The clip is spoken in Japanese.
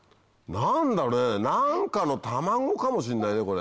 何だろね何かの卵かもしんないねこれ。